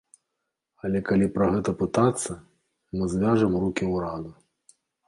Але калі пра гэта пытацца, мы звяжам рукі ўраду.